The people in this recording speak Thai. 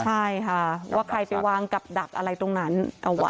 ใช่ค่ะว่าใครไปวางกับดับอะไรตรงนั้นเอาไว้